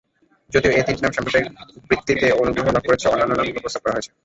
যদিও এই তিনটি নাম সাম্প্রতিক বৃত্তিতে অনুগ্রহ লাভ করেছে, অন্যান্য নামগুলি প্রস্তাব করা হয়েছে।